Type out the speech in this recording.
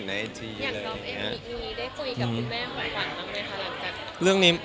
อย่างก็แอฟนี้ได้คุยกับคุณแม่ของขวัญทำไมคะ